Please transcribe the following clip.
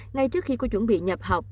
ngay trước khi cô chuẩn bị nhập học